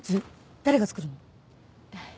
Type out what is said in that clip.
誰が作るの？